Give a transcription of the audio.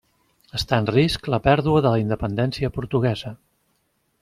Està en risc la pèrdua de la independència portuguesa.